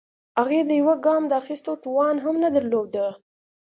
هغې د يوه ګام د اخيستو توان هم نه درلوده.